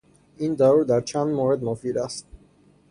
این دارو در چند مورد مفید است.